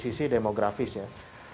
sisi demografis ya